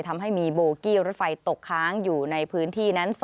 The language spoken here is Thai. ทำให้มีโบกี้รถไฟตกค้างอยู่ในพื้นที่นั้น